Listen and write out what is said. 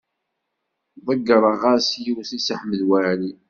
Ḍeyyreɣ-as yiwet i Si Ḥmed Waɛli.